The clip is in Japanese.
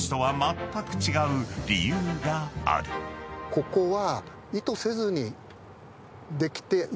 ここは。